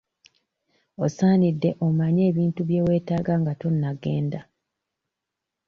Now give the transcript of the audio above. Osaanidde omanye ebintu bye weetaaga nga tonnagenda.